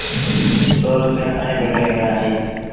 سو روپيآ کڻي پنڊري گھر آئيٚ